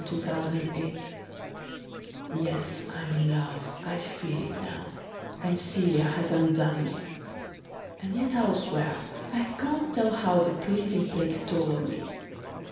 Y Z The Je Ne Scai Quoi YES, I'm in love, I feel it now, And Cælia has undone me; And yet I'll swear I can't tell how The pleasing plague stole on me.